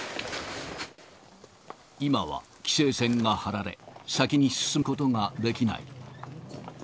今は規制線が張られ、先に進むことができない。